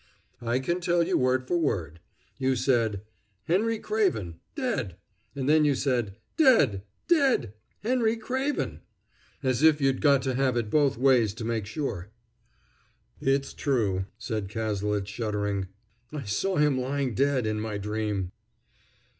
"I can tell you word for word. You said, 'Henry Craven dead!' and then you said, 'Dead dead Henry Craven!' as if you'd got to have it both ways to make sure." "It's true," said Cazalet, shuddering. "I saw him lying dead, in my dream."